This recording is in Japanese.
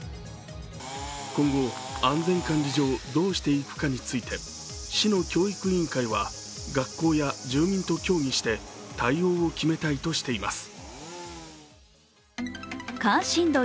今後、安全管理上、どうしていくかについて市の教育委員会は学校や住民と協議して、対応を決めたいとしています。